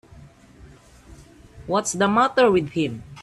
What's the matter with him.